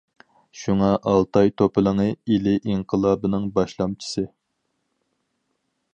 شۇڭا ئالتاي توپىلىڭى ئىلى ئىنقىلابىنىڭ باشلامچىسى.